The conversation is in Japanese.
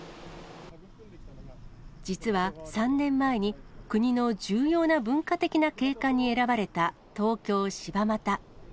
実は３年前に、国の重要な文化的な景観に選ばれた東京・柴又。